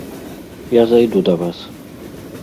Я зайду да вас.